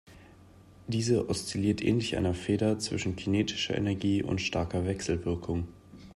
Diese oszilliert ähnlich einer Feder zwischen kinetischer Energie und starker Wechselwirkung.